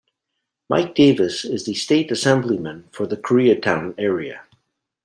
Mike Davis is the State Assemblyman for the Koreatown area.